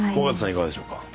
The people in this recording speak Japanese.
いかがでしょうか？